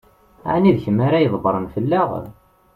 Ɛni d kemm ara ydebbṛen fell-aɣ?